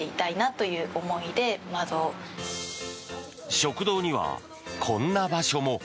食堂にはこんな場所も。